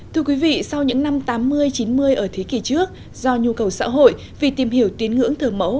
thưa quý vị sau những năm tám mươi chín mươi ở thế kỷ trước do nhu cầu xã hội vì tìm hiểu tín ngưỡng thờ mẫu